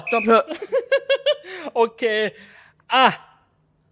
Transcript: จบเลยเหรอ